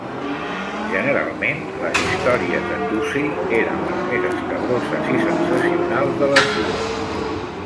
Generalment, les històries de Tousey eren les més escabroses i sensacionals de les dues.